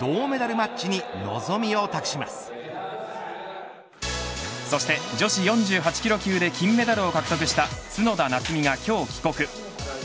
銅メダルマッチに望みを託しますそして女子４８キロ級で金メダルを獲得した角田夏実が今日帰国。